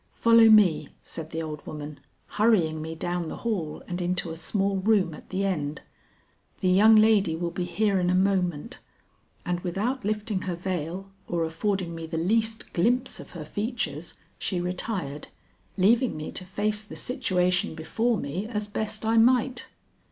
"Follow me," said the old woman, hurrying me down the hall and into a small room at the end. "The young lady will be here in a moment," and without lifting her veil or affording me the least glimpse of her features, she retired, leaving me to face the situation before me as best I might.